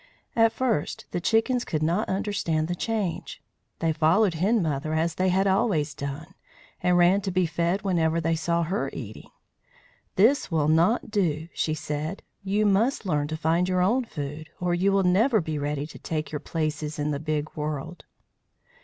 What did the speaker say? At first the chickens could not understand the change. They followed Hen Mother as they had always done, and ran to be fed whenever they saw her eating. "This will not do," she said. "You must learn to find your own food, or you will never be ready to take your places in the big world."